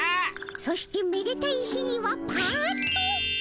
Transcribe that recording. そしてめでたい日にはパッと。